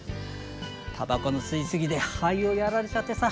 タバコの吸い過ぎで肺をやられちゃってさ。